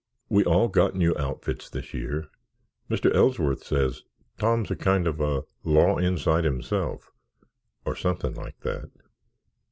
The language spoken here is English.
We all got new outfits this year. Mr. Ellsworth says Tom's a kind of a law inside himself—or something like that."